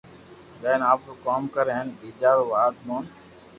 جائين آپرو ڪوم ڪر ھين ٻيجا رو وات مون